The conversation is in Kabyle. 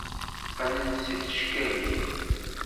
Qqnen s tcekkalin.